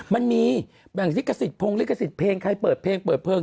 มันมีแบ่งลิขสิทธพงลิขสิทธิ์เพลงใครเปิดเพลงเปิดเพลง